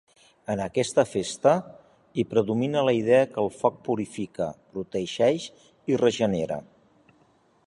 En aquesta festa, hi predomina la idea que el foc purifica, protegeix i regenera.